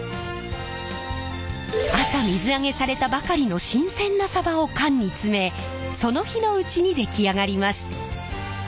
朝水揚げされたばかりの新鮮なさばを缶に詰めその日のうちに出来上がります。